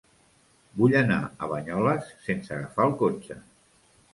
Vull anar a Banyoles sense agafar el cotxe.